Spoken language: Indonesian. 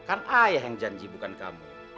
kan ayah yang janji bukan kamu